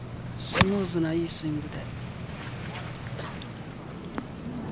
スムーズないいスイングです。